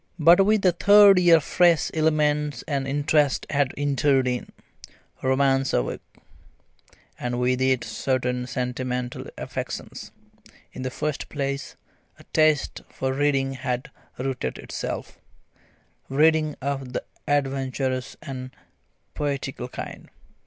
But with the third year fresh elements and interests had entered in. Romance awoke, and with it certain sentimental affections. In the first place, a taste for reading had rooted itself reading of the adventurous and poetical kind.